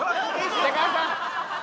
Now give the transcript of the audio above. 北川さん！